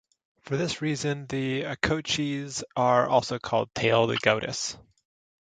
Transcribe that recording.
For this reason the acouchis are also called tailed agoutis.